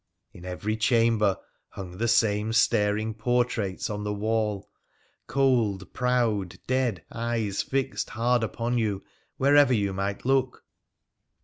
In every chamber hung the same staring portraits on the wall, cold, proud, dead eyes fixed hard upon you wherever you might look